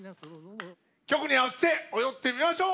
曲に合わせて踊ってみましょう！